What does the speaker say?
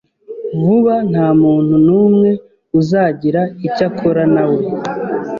Vuba, ntamuntu numwe uzagira icyo akora nawe